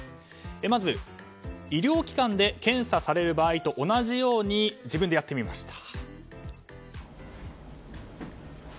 まず、医療機関で検査される場合と同じように自分でやってみました。